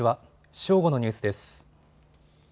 正午のニュースです。